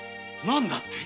何だって。